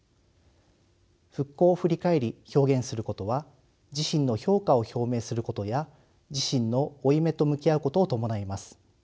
復興を振り返り表現することは自身の評価を表明することや自身の負い目と向き合うことを伴います。